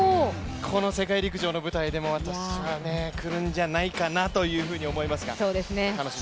この世界陸上の舞台でも私は来るんじゃないかなと思いますが。